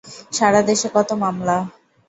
সারা দেশে কত মামলা!